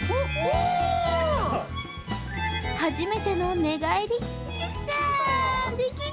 初めての寝返り。